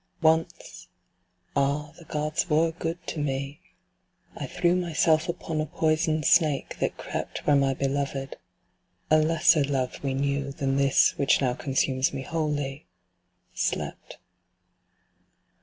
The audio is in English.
Once, Ah, the Gods were good to me, I threw Myself upon a poison snake, that crept Where my Beloved a lesser love we knew Than this which now consumes me wholly slept.